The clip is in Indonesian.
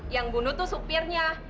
yang bunuh tuh supirnya